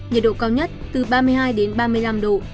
nhiệt độ cao nhất từ ba mươi hai đến ba mươi năm độ